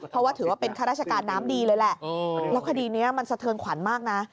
เพราะว่าถือว่าเป็นข้าราชการน้ำดีเลยแหละแล้วคดีนี้มันสะเทือนขวัญมากนะ